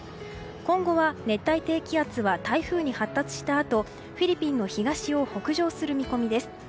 今後は熱帯低気圧は台風に発達したあとフィリピンの東を北上する見込みです。